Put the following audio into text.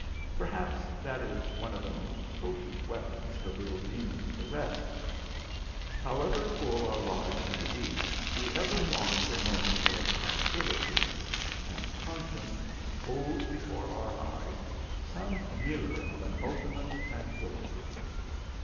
Perhaps that is one of the most potent weapons the little demons possess. However full our lives may be, we ever long for moments of tranquillity. And conscience holds before our eyes some mirror of an ultimate tranquillity.